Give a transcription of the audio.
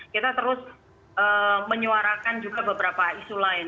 kita terus menyuarakan juga beberapa isu lain